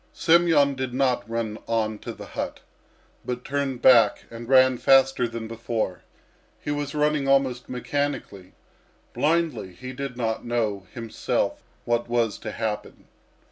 Semyon did not run on to the hut, but turned back and ran faster than before. He was running almost mechanically, blindly; he did not know himself what was to happen.